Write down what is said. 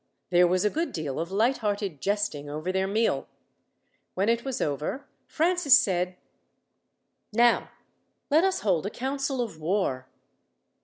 There was a good deal of light hearted jesting over their meal. When it was over, Francis said: "Now let us hold a council of war."